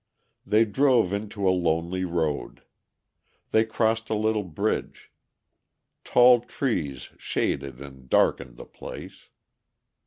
They drove into a lonely road. They crossed a little bridge. Tall trees shaded and darkened the place.